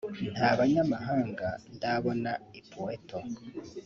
nta banyamahanga ndabona i Pweto